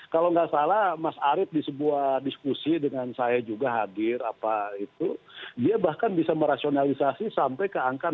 kalau nggak salah mas arief di sebuah diskusi dengan saya juga hadir apa itu dia bahkan bisa merasionalisasi sampai ke angka enam puluh